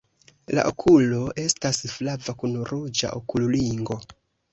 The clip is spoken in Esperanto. La okulo estas flava kun ruĝa okulringo.